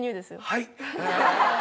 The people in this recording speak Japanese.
はい。